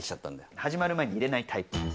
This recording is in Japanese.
始まる前に入れないタイプ。